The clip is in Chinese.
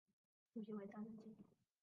主席为张曾基。